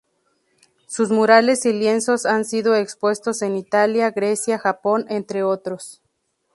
Sus murales y lienzos han sido expuestos en Italia, Grecia, Japón, entre otros.